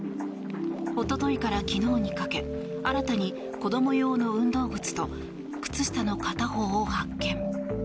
一昨日から昨日にかけ新たに子供用の運動靴と靴下の片方を発見。